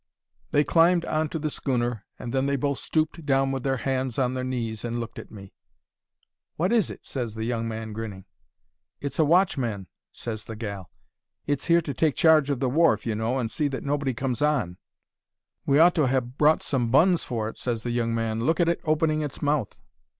They climbed on to the schooner, and then they both stooped down with their hands on their knees and looked at me. "'Wot is it?' ses the young man, grinning. "'It's a watchman,' ses the gal. 'It's here to take charge of the wharf, you know, and see that nobody comes on.' "'We ought to ha' brought some buns for it,' ses the young man; 'look at it opening its mouth.'